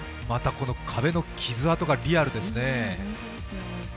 またこの壁の傷痕がリアルですね。